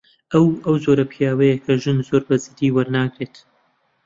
ئەو، ئەو جۆرە پیاوەیە کە ژن زۆر بەجددی وەرناگرێت.